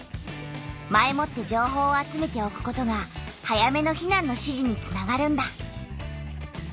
前もって情報を集めておくことが早めの避難の指示につながるんだ。